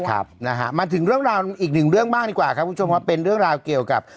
ครับนะฮะมาถึงเรื่องราวอีกหนึ่งเรื่องบ้างดีกว่าครับคุณผู้ชมครับเป็นเรื่องราวเกี่ยวกับ